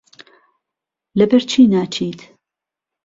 لەبەرچی ناچیت؟